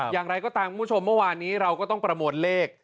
อย่างไรก็ตามคุณผู้ชมเมื่อวานนี้เราก็ต้องประมวลเลข